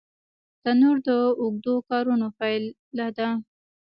تنور د اوږدو کارونو پایله ده